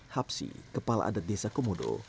hapsi kepala adat desa komodo